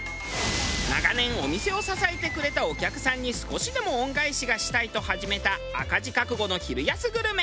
長年お店を支えてくれたお客さんに少しでも恩返しがしたいと始めた赤字覚悟の昼安グルメ。